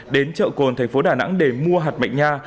đến chợ cồn thành phố đà nẵng để mua hạt mạnh nha